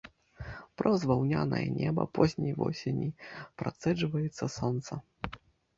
Праз ваўнянае неба позняй восені працэджваецца сонца.